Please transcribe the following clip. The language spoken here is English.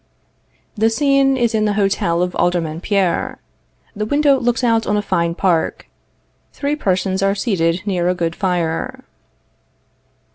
_ [The scene is in the hotel of Alderman Pierre. The window looks out on a fine park; three persons are seated near a good fire.